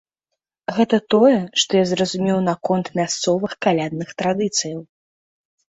Гэта тое, што я зразумеў наконт мясцовых калядных традыцыяў.